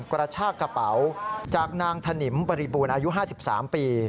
กระชากกระเป๋าจากนางถนิมบริบูรณ์อายุ๕๓ปี